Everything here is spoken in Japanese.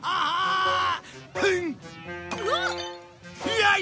やい！